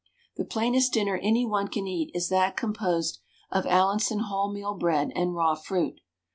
The plainest dinner any one can eat is that composed of Allinson wholemeal bread and raw fruit.